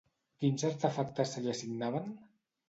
Quins artefactes se li assignaven?